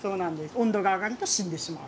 温度が上がると死んでしまう。